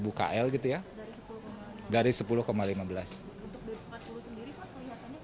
untuk b empat puluh sendiri kan kelihatannya koreksinya berapa